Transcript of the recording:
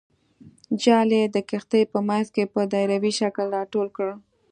جال یې د کښتۍ په منځ کې په دایروي شکل راټول کړ.